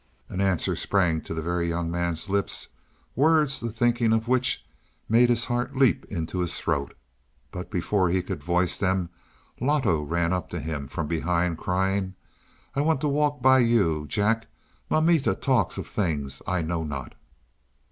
An answer sprang to the Very Young Man's lips words the thinking of which made his heart leap into his throat. But before he could voice them Loto ran up to him from behind, crying. "I want to walk by you, Jack; mamita talks of things I know not."